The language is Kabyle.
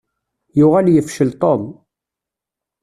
Yuɣal yefcel Tom.